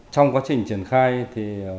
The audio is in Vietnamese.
trong quá trình triển khai